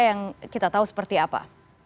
yang kita tahu seperti apa